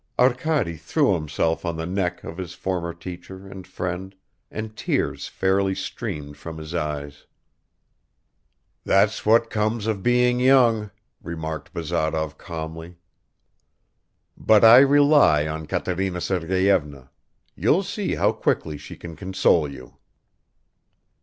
Arkady threw himself on the neck of his former teacher and friend, and tears fairly streamed from his eyes. "That's what comes of being young!" remarked Bazarov calmly. "But I rely on Katerina Sergeyevna. You'll see how quickly she can console you."